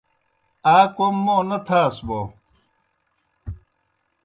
آ کوْم موں نہ تھاس بوْ